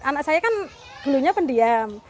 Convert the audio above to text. anak saya kan dulunya pendiam